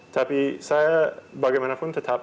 tapi saya bagaimanapun tetap